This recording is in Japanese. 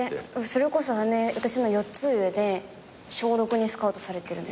それこそ姉私の４つ上で小６にスカウトされてるんです。